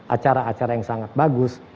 acara acara yang sangat bagus